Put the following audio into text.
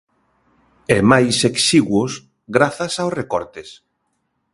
E máis exiguos grazas aos recortes.